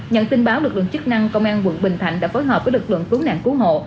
nhận tin báo lực lượng chức năng công an quận bình thạnh đã phối hợp với lực lượng cứu nạn cứu hộ